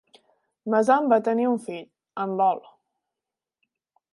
Mason va tenir un fill, en Lol.